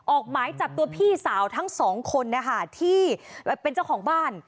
ออกหมายจับตัวพี่สาวทั้งสองคนนะคะที่เป็นเจ้าของบ้าน